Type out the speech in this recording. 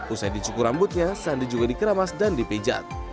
usai dicukur rambutnya sandi juga dikeramas dan dipijat